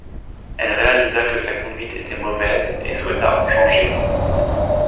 Elle réalisa que sa conduite était mauvaise, et souhaita en changer.